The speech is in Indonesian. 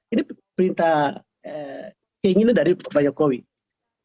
ini perintah keinginan dari bapak yoko widodo